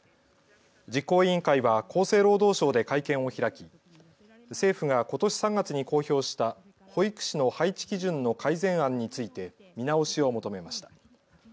実行委員会は厚生労働省で会見を開き政府がことし３月に公表した保育士の配置基準の改善案について見直しを求めました。